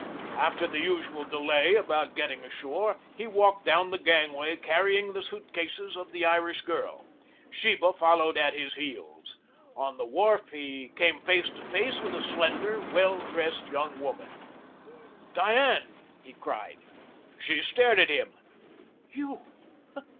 After the usual delay about getting ashore he walked down the gangway carrying the suitcases of the Irish girl. Sheba followed at his heels. On the wharf he came face to face with a slender, well dressed young woman. "Diane!" he cried. She stared at him. "You!